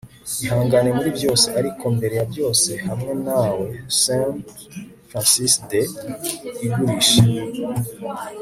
ihangane muri byose. ariko mbere ya byose hamwe nawe. - saint francis de igurisha